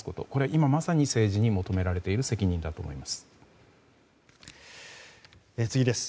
今まさに政治に求められている責任だと思います。